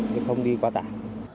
thì không đi quá tải